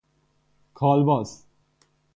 کالباس